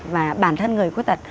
và bản thân người khuất tật